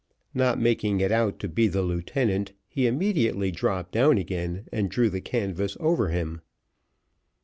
Not making it out to be the lieutenant, he immediately dropped down again and drew the canvas over him.